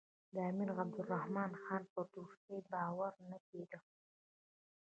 د امیر عبدالرحمن خان پر دوستۍ باور نه کېده.